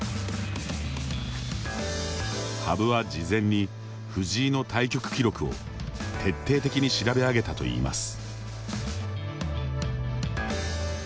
羽生は事前に藤井の対局記録を徹底的に調べ上げたといいます。